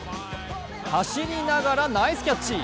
走りながらナイスキャッチ。